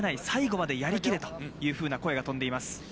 最後までやり切れというふうな声が飛んでいます。